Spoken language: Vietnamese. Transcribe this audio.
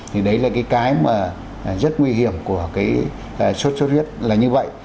thì đấy là cái cái mà rất nguy hiểm của cái sốt huyết là như vậy